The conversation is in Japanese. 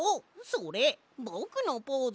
それぼくのポーズ！